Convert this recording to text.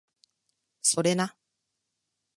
それな